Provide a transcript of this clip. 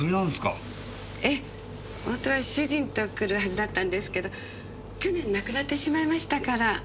ええホントは主人と来るはずだったんですけど去年亡くなってしまいましたから。